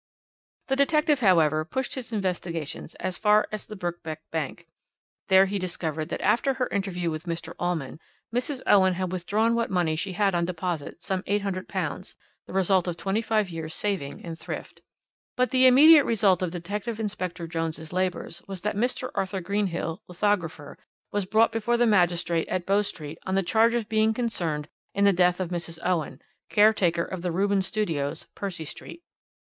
"The detective, however, pushed his investigations as far as the Birkbeck Bank. There he discovered that after her interview with Mr. Allman, Mrs. Owen had withdrawn what money she had on deposit, some £800, the result of twenty five years' saving and thrift. "But the immediate result of Detective Inspector Jones's labours was that Mr. Arthur Greenhill, lithographer, was brought before the magistrate at Bow Street on the charge of being concerned in the death of Mrs. Owen, caretaker of the Rubens Studios, Percy Street.